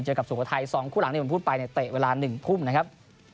เจอกับสวท้าย๒คู่หลังนี้ผมพูดไปในเตะเวลา๑พุ่มนะครับ